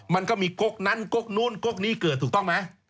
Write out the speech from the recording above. มันก็มีกกนั้นกกนู้นกกนี้เกิดถูกต้องไหม